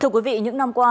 thưa quý vị những năm qua